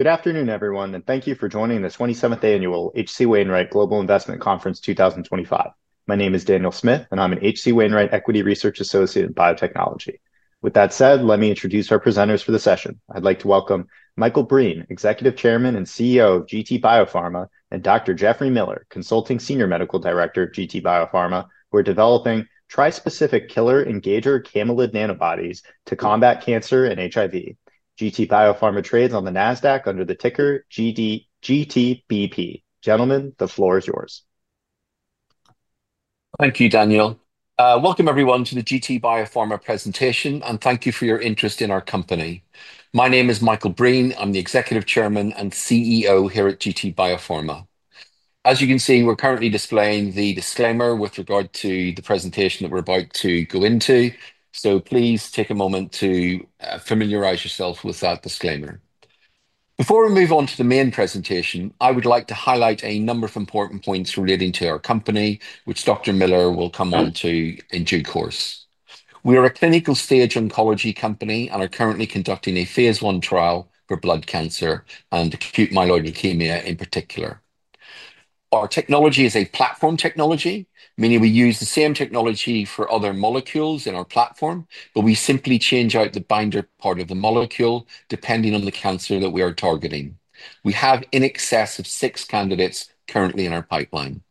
Good afternoon, everyone, and thank you for joining the 27th Annual H.C. Wainwright Global Investment Conference 2025. My name is Daniel Smith, and I'm an H.C. Wainwright Equity Research Associate in Biotechnology. With that said, let me introduce our presenters for the session. I'd like to welcome Michael Breen, Executive Chairman and CEO of GT Biopharma, and Dr. Jeffrey Miller, Consulting Senior Medical Director of GT Biopharma. We're developing trispecific killer cell engager camelid nanobodies to combat cancer and HIV. GT Biopharma trades on the NASDAQ under the ticker GTBP. Gentlemen, the floor is yours. Thank you, Daniel. Welcome, everyone, to the GT Biopharma presentation, and thank you for your interest in our company. My name is Michael Breen. I'm the Executive Chairman and CEO here at GT Biopharma. As you can see, we're currently displaying the disclaimer with regard to the presentation that we're about to go into, so please take a moment to familiarize yourself with that disclaimer. Before we move on to the main presentation, I would like to highlight a number of important points relating to our company, which Dr. Miller will come on to in due course. We are a clinical-stage oncology company and are currently conducting a phase I trial for blood cancer and acute myeloid leukemia in particular. Our technology is a platform technology, meaning we use the same technology for other molecules in our platform, but we simply change out the binder part of the molecule depending on the cancer that we are targeting. We have in excess of six candidates currently in our pipeline.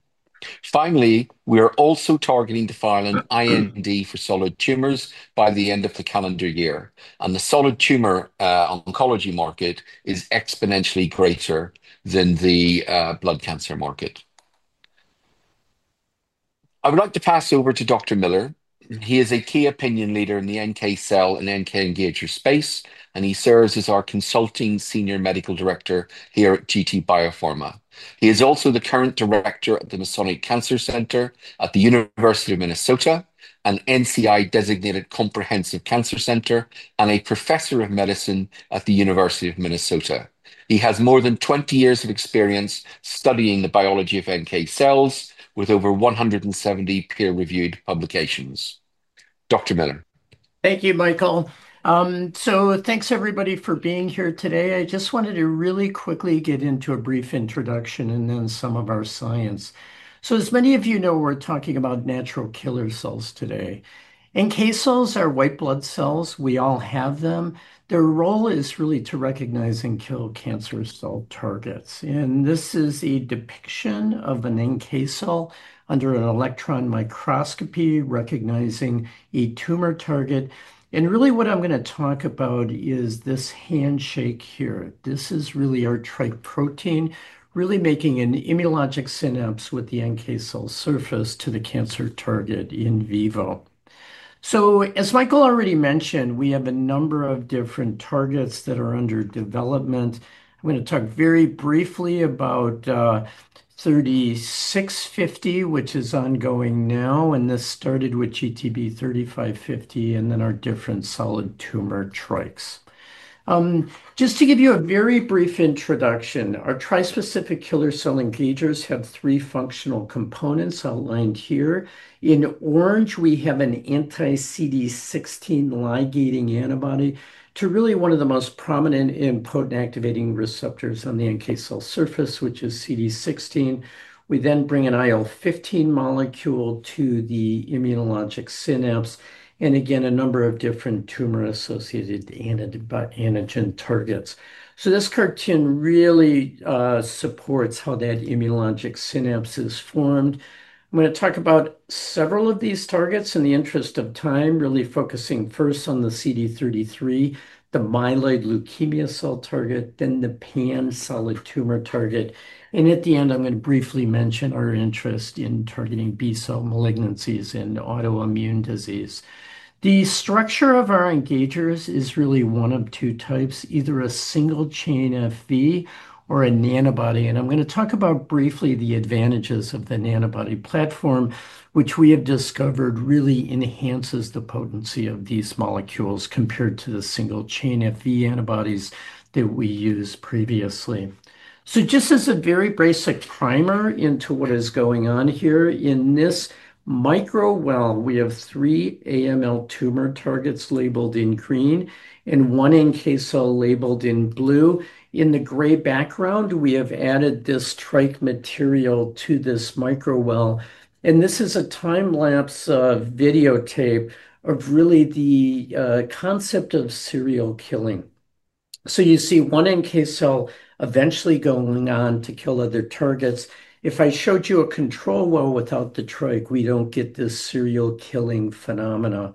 Finally, we are also targeting to file an IND for solid tumors by the end of the calendar year, and the solid tumor oncology market is exponentially greater than the blood cancer market. I would like to pass over to Dr. Miller. He is a key opinion leader in the NK cell and NK engager space, and he serves as our Consulting Senior Medical Director here at GT Biopharma. He is also the current Director of the Masonic Cancer Center at the University of Minnesota and NCI-designated Comprehensive Cancer Center, and a Professor of Medicine at the University of Minnesota. He has more than 20 years of experience studying the biology of NK cells with over 170 peer-reviewed publications. Dr. Miller. Thank you, Michael. Thanks everybody for being here today. I just wanted to really quickly get into a brief introduction and then some of our science. As many of you know, we're talking about natural killer cells today. NK cells are white blood cells. We all have them. Their role is really to recognize and kill cancer cell targets. This is a depiction of an NK cell under an electron microscopy, recognizing a tumor target. What I'm going to talk about is this handshake here. This is really our tri-protein, really making an immunologic synapse with the NK cell surface to the cancer target in vivo. As Michael already mentioned, we have a number of different targets that are under development. I'm going to talk very briefly about GTB-3650, which is ongoing now, and this started with GTB-3550, and then our different solid tumor TriKEs. Just to give you a very brief introduction, our trispecific killer cell engagers have three functional components outlined here. In orange, we have an anti-CD16 ligating antibody, to really one of the most prominent protein activating receptors on the NK cell surface, which is CD16. We then bring an IL-15 molecule to the immunologic synapse, and again, a number of different tumor-associated antigen targets. This cartoon really supports how that immunologic synapse is formed. I'm going to talk about several of these targets in the interest of time, really focusing first on the CD33, the myeloid leukemia cell target, then the pan-solid tumor target. At the end, I'm going to briefly mention our interest in targeting B-cell malignancies and autoimmune disease. The structure of our engagers is really one of two types, either a single chain Fv or a nanobody. I'm going to talk about briefly the advantages of the nanobody platform, which we have discovered really enhances the potency of these molecules compared to the single chain Fv antibodies that we used previously. Just as a very basic primer into what is going on here in this microwell, we have three AML tumor targets labeled in green and one NK cell labeled in blue. In the gray background, we have added this TriKE material to this microwell, and this is a time-lapse videotape of really the concept of serial killing. You see one NK cell eventually going on to kill other targets. If I showed you a control well without the TriKE, we don't get this serial killing phenomena.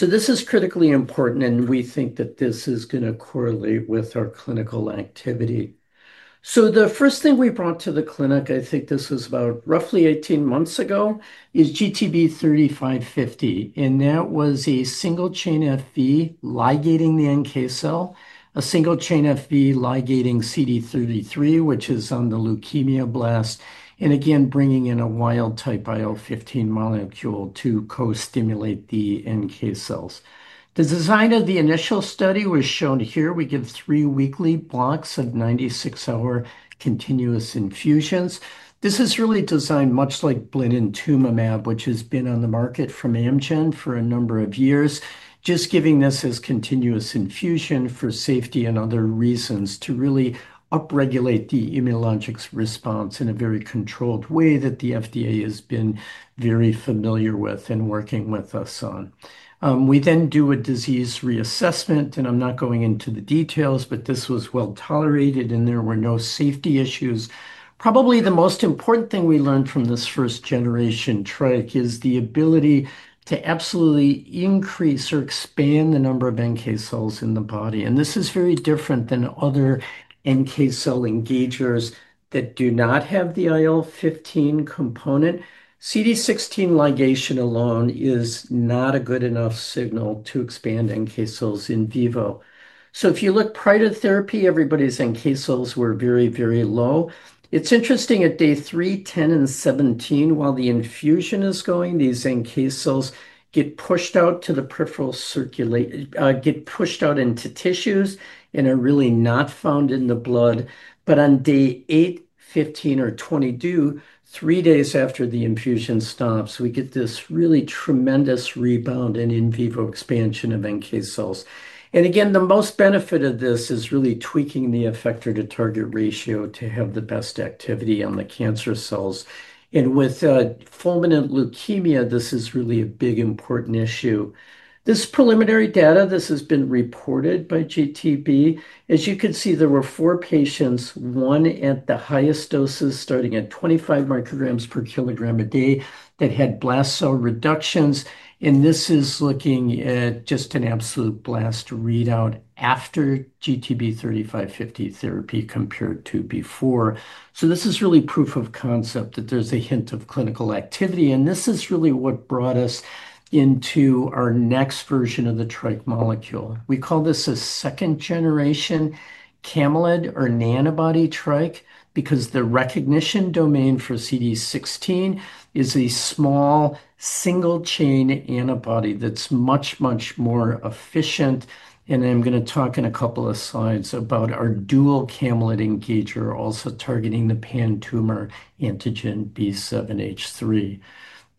This is critically important, and we think that this is going to correlate with our clinical activity. The first thing we brought to the clinic, I think this was about roughly 18 months ago, is GTB-3550, and that was a single-chain antibody ligating the NK cell, a single-chain antibody ligating CD33, which is on the leukemia blast, and again bringing in a wild-type IL-15 molecule to co-stimulate the NK cells. The design of the initial study was shown here. We give three weekly blocks of 96-hour continuous infusions. This is really designed much like blinatumomab, which has been on the market from Amgen for a number of years, just giving this as continuous infusion for safety and other reasons to really upregulate the immunologic response in a very controlled way that the FDA has been very familiar with and working with us on. We then do a disease reassessment. I'm not going into the details, but this was well tolerated, and there were no safety issues. Probably the most important thing we learned from this first-generation TriKE is the ability to absolutely increase or expand the number of NK cells in the body. This is very different than other NK cell engagers that do not have the IL-15 component. CD16 ligation alone is not a good enough signal to expand NK cells in vivo. If you look prior to therapy, everybody's NK cells were very, very low. It's interesting at day 3, 10, and 17, while the infusion is going, these NK cells get pushed out to the peripheral circulation, get pushed out into tissues, and are really not found in the blood. On day 8, 15, or 22, three days after the infusion stops, we get this really tremendous rebound and in vivo expansion of NK cells. The most benefit of this is really tweaking the effector-to-target ratio to have the best activity on the cancer cells. With fulminant leukemia, this is really a big important issue. This preliminary data has been reported by GT Biopharma. As you can see, there were four patients, one at the highest doses, starting at 25 mcg per kilogram a day that had blast cell reductions. This is looking at just an absolute blast readout after GTB-3550 therapy compared to before. This is really proof of concept that there's a hint of clinical activity, and this is really what brought us into our next version of the TriKE molecule. We call this a second-generation camelid or nanobody TriKE because the recognition domain for CD16 is a small single-chain antibody that's much, much more efficient. I'm going to talk in a couple of slides about our dual camelid engager, also targeting the pan-tumor antigen B7-H3.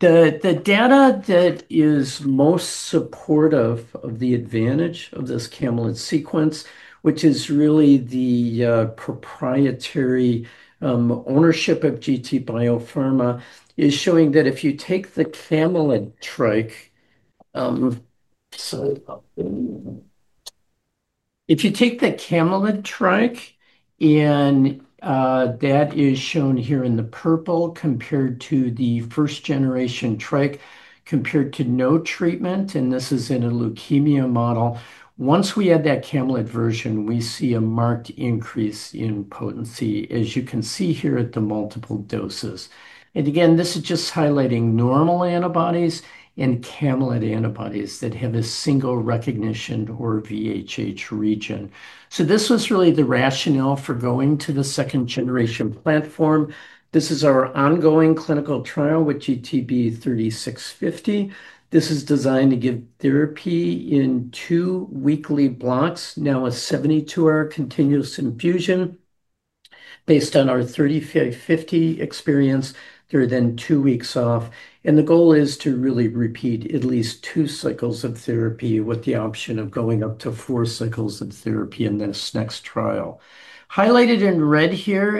The data that is most supportive of the advantage of this camelid sequence, which is really the proprietary ownership of GT Biopharma, is showing that if you take the camelid TriKE, and that is shown here in the purple compared to the first-generation TriKE compared to no treatment, and this is in a leukemia model. Once we add that camelid version, we see a marked increase in potency, as you can see here at the multiple doses. This is just highlighting normal antibodies and camelid antibodies that have a single recognition or VHH region. This was really the rationale for going to the second-generation platform. This is our ongoing clinical trial with GTB-3650. This is designed to give therapy in two weekly blocks, now a 72-hour continuous infusion. Based on our GTB-3550 experience, there are then two weeks off, and the goal is to really repeat at least two cycles of therapy with the option of going up to four cycles of therapy in this next trial. Highlighted in red here,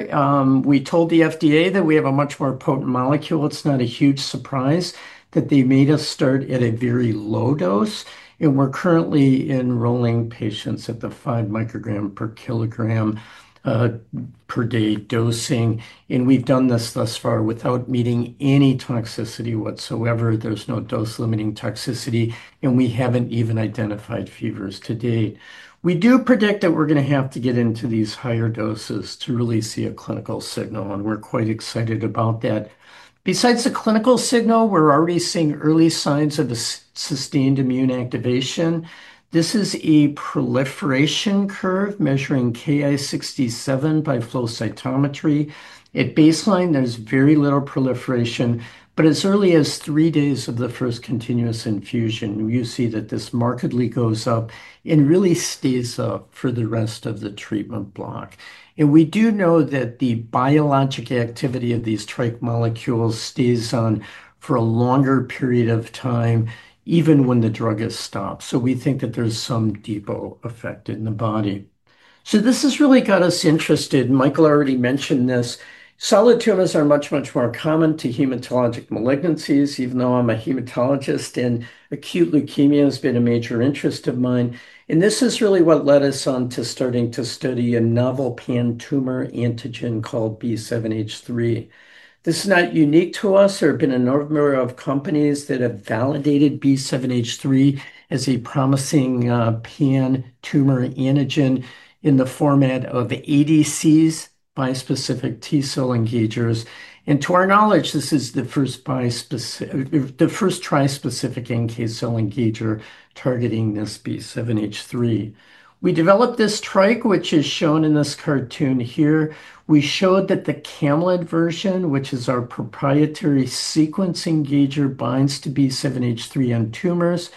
we told the FDA that we have a much more potent molecule. It's not a huge surprise that they made us start at a very low dose, and we're currently enrolling patients at the five microgram per kilogram per day dosing. We've done this thus far without meeting any toxicity whatsoever. There's no dose-limiting toxicity, and we haven't even identified fevers to date. We do predict that we're going to have to get into these higher doses to really see a clinical signal, and we're quite excited about that. Besides the clinical signal, we're already seeing early signs of the sustained immune activation. This is a proliferation curve measuring Ki-67 by flow cytometry. At baseline, there's very little proliferation, but as early as three days of the first continuous infusion, you see that this markedly goes up and really stays up for the rest of the treatment block. We do know that the biologic activity of these TriKE molecules stays on for a longer period of time, even when the drug is stopped. We think that there's some depot effect in the body. This has really got us interested, and Michael already mentioned this. Solid tumors are much, much more common than hematologic malignancies, even though I'm a hematologist, and acute leukemia has been a major interest of mine. This is really what led us on to starting to study a novel pan-tumor antigen called B7-H3. This is not unique to us. There have been a number of companies that have validated B7-H3 as a promising pan-tumor antigen in the format of ADCs, bispecific T-cell engagers. To our knowledge, this is the first trispecific NK cell engager targeting this B7-H3. We developed this TriKE, which is shown in this cartoon here. We showed that the camelid version, which is our proprietary sequence engager, binds to B7-H3 on tumors.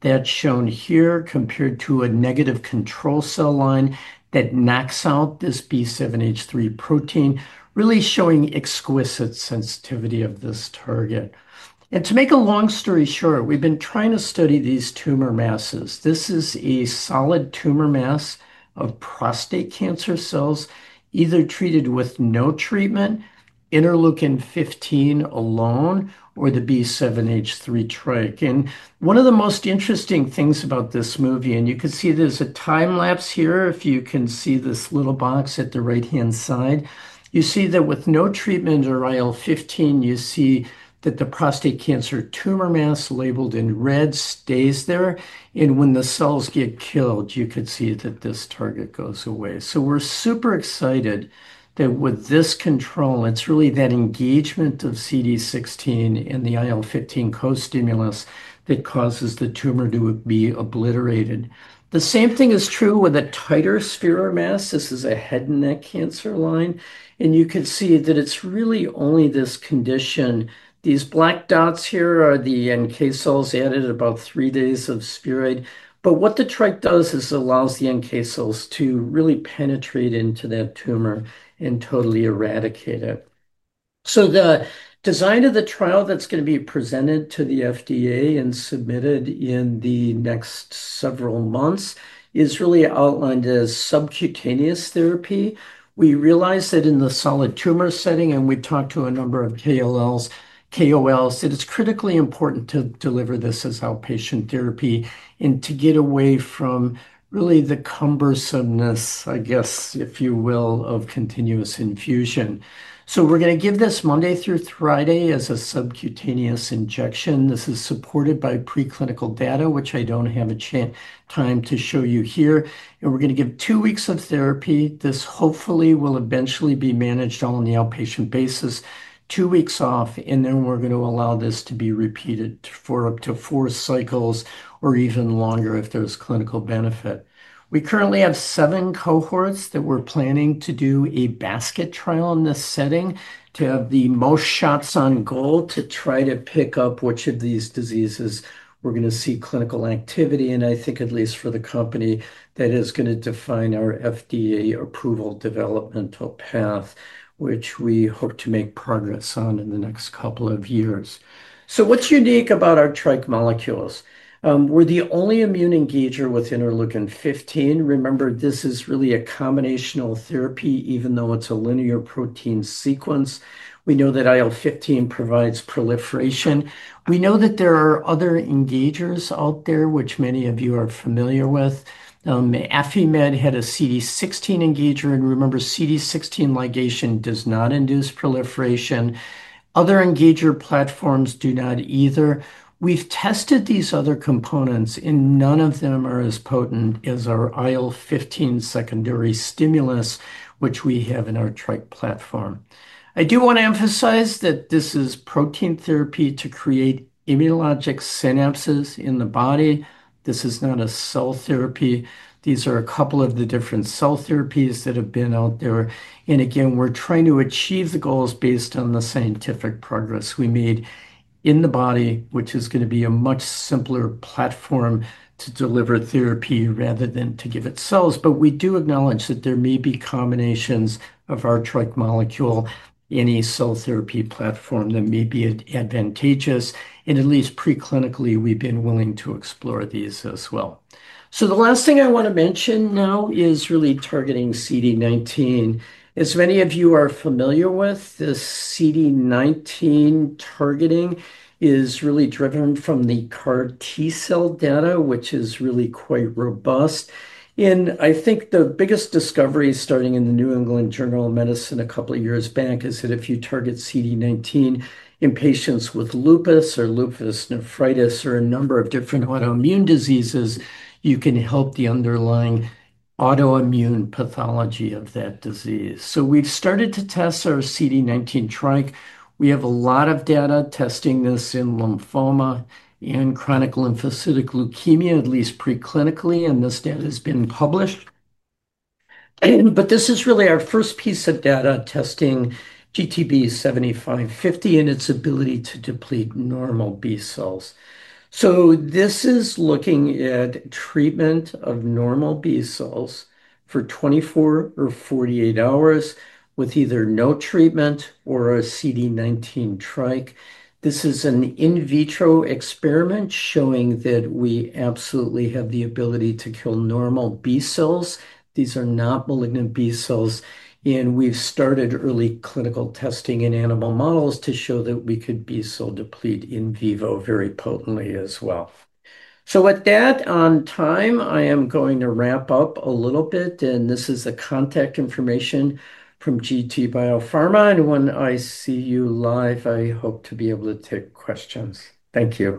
That's shown here compared to a negative control cell line that knocks out this B7-H3 protein, really showing exquisite sensitivity of this target. To make a long story short, we've been trying to study these tumor masses. This is a solid tumor mass of prostate cancer cells, either treated with no treatment, interleukin 15 alone, or the B7-H3 TriKE. One of the most interesting things about this movie, and you can see there's a time lapse here. If you can see this little box at the right-hand side, you see that with no treatment or IL-15, you see that the prostate cancer tumor mass labeled in red stays there. When the cells get killed, you could see that this target goes away. We're super excited that with this control, it's really that engagement of CD16 and the IL-15 co-stimulus that causes the tumor to be obliterated. The same thing is true with a tighter spheroid mass. This is a head and neck cancer line, and you could see that it's really only this condition. These black dots here are the NK cells added about three days of spheroid, but what the TriKE does is it allows the NK cells to really penetrate into that tumor and totally eradicate it. The design of the trial that's going to be presented to the FDA and submitted in the next several months is really outlined as subcutaneous therapy. We realize that in the solid tumor setting, and we talked to a number of KOLs, that it's critically important to deliver this as outpatient therapy and to get away from really the cumbersomeness, I guess, if you will, of continuous infusion. We're going to give this Monday through Friday as a subcutaneous injection. This is supported by preclinical data, which I don't have time to show you here. We're going to give two weeks of therapy. This hopefully will eventually be managed on the outpatient basis, two weeks off, and then we're going to allow this to be repeated for up to four cycles or even longer if there's clinical benefit. We currently have seven cohorts that we're planning to do a basket trial in this setting to have the most shots on goal to try to pick up which of these diseases we're going to see clinical activity. I think at least for the company, that is going to define our FDA approval developmental path, which we hope to make progress on in the next couple of years. What's unique about our TriKE molecules? We're the only immune engager with interleukin 15. Remember, this is really a combinational therapy, even though it's a linear protein sequence. We know that IL-15 provides proliferation. We know that there are other engagers out there, which many of you are familiar with. Affimed had a CD16 engager, and remember, CD16 ligation does not induce proliferation. Other engager platforms do not either. We've tested these other components, and none of them are as potent as our IL-15 secondary stimulus, which we have in our TriKE platform. I do want to emphasize that this is protein therapy to create immunologic synapses in the body. This is not a cell therapy. These are a couple of the different cell therapies that have been out there. We're trying to achieve the goals based on the scientific progress we made in the body, which is going to be a much simpler platform to deliver therapy rather than to give it cells. We do acknowledge that there may be combinations of our TriKE molecule in a cell therapy platform that may be advantageous. At least preclinically, we've been willing to explore these as well. The last thing I want to mention now is really targeting CD19. As many of you are familiar with, this CD19 targeting is really driven from the CAR T-cell data, which is really quite robust. I think the biggest discovery, starting in the New England Journal of Medicine a couple of years back, is that if you target CD19 in patients with lupus or lupus nephritis or a number of different autoimmune diseases, you can help the underlying autoimmune pathology of that disease. We've started to test our CD19 TriKE. We have a lot of data testing this in lymphoma and chronic lymphocytic leukemia, at least preclinically, and this data has been published. This is really our first piece of data testing GTB-7550 and its ability to deplete normal B cells. This is looking at treatment of normal B cells for 24 or 48 hours with either no treatment or a CD19 TriKE. This is an in vitro experiment showing that we absolutely have the ability to kill normal B cells. These are not malignant B cells, and we've started early clinical testing in animal models to show that we could B cell deplete in vivo very potently as well. With that, I am going to wrap up a little bit, and this is the contact information from GT Biopharma. When I see you live, I hope to be able to take questions. Thank you.